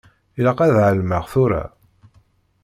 Ilaq ad ɛelmeɣ tura.